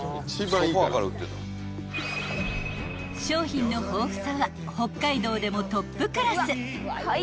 ［商品の豊富さは北海道でもトップクラス］